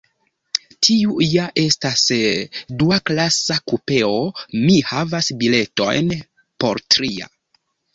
Tiu ja estas duaklasa kupeo; mi havas biletojn por tria.